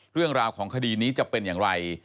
เรื่องราวของคดีนี้จะเป็นอย่างไร